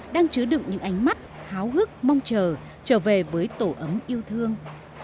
đang chứa đựng những ánh mắt háo hức mong chờ trở về với tổ ấm yêu thương